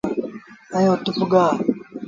ائيٚݩ اُت پُڳآ۔